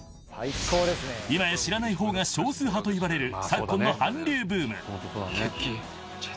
［今や知らない方が少数派といわれる昨今の韓流ブーム］